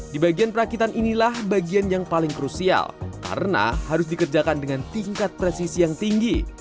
di bagian perakitan inilah bagian yang paling krusial karena harus dikerjakan dengan tingkat presisi yang tinggi